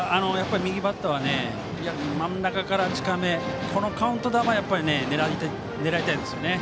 右バッターは真ん中から近めこのカウント球を狙いたいですね。